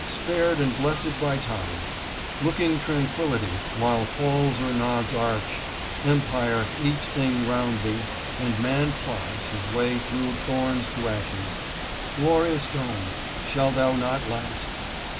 spared and blessed by time ; Looking tranquillity, while falls or nods Arch, empire, each thing round thee, and man plods His way through thorns to ashes — glorious dome! Shalt thou not last